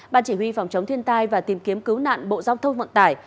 ban chỉ huy phòng chống thiên tai và tìm kiếm cứu nạn bộ giao thông vận tải